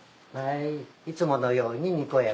いつものようににこやかに。